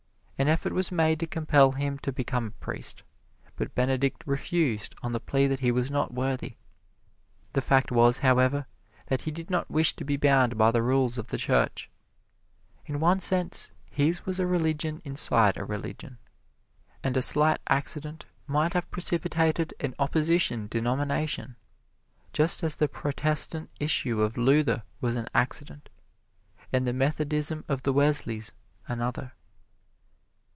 An effort was made to compel him to become a priest, but Benedict refused on the plea that he was not worthy. The fact was, however, that he did not wish to be bound by the rules of the Church. In one sense, his was a religion inside a religion, and a slight accident might have precipitated an opposition denomination, just as the Protestant issue of Luther was an accident, and the Methodism of the Wesleys, another.